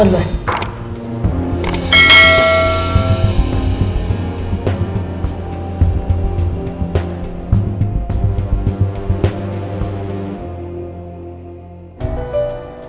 aku mau pergi